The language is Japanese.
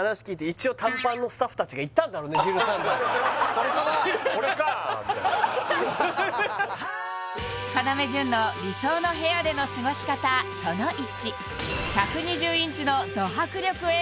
これかなあこれかみたいな要潤の理想の部屋での過ごし方その１